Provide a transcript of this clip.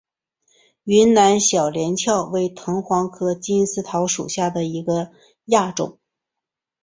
云南小连翘为藤黄科金丝桃属下的一个亚种。